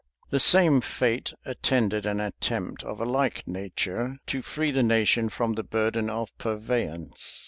The same fate attended an attempt of a like nature, to free the nation from the burden of purveyance.